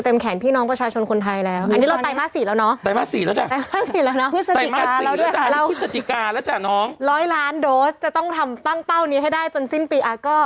เราต้องตั้งเต้านี้ให้ได้จนซิ้นปีก็อ่ะก็